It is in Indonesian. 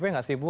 enggak sih bu